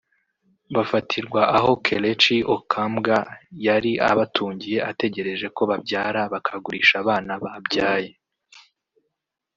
bafatirwa aho Kelechi Okamgba yari abatungiye ategereje ko babyara bakagurisha abana babyaye